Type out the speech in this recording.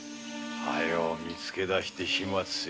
早く見つけ出して始末致せ。